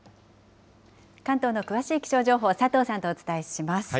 関東の詳しい気象情報、佐藤さんとお伝えします。